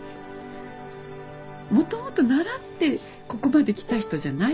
もともと習ってここまできた人じゃないから。